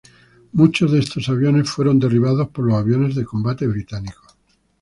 Muchos de estos aviones fueron derribados por los aviones de combate británicos.